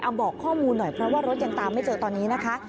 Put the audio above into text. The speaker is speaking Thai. เอาบอกข้อมูลหน่อยเพราะว่ารถยังตามไม่เจอตอนนี้นะคะ